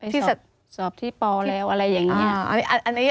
ที่สอบที่ปแล้วอะไรอย่างนี้